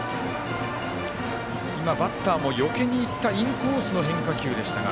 今、バッターもよけにいったインコースの変化球でしたが。